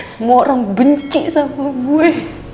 semua orang benci sama gue